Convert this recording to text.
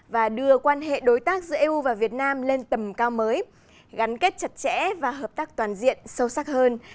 và đưa quan hệ đối tác giữa eu và việt nam lên tầm cao mới gắn kết chặt chẽ và hợp tác toàn diện sâu sắc hơn